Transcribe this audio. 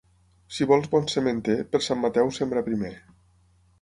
Si vols bon sementer, per Sant Mateu sembra primer.